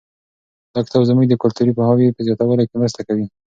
دا کتاب زموږ د کلتوري پوهاوي په زیاتولو کې مرسته کوي.